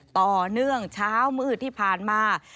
ต่อเนื่องเช้ามืดที่ผ่านมา